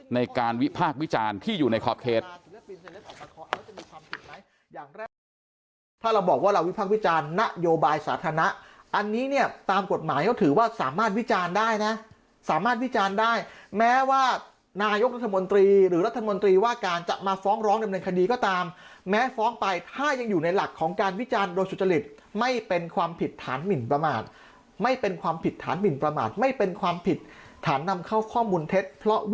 ในการวิภาควิจารณ์ที่อยู่ในครอบเคส